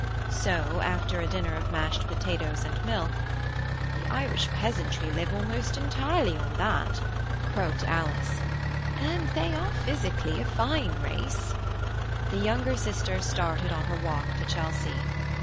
So, after a dinner of mashed potatoes and milk ("The Irish peasantry live almost entirely on that," croaked Alice, "and they are physically a fine race"), the younger sister started on her walk to Chelsea.